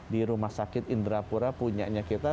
di rumah sakit indrapura punya kita